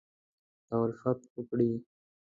دالفت وکړي